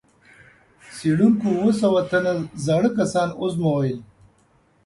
څېړونکو اووه سوه تنه زاړه کسان وازمویل.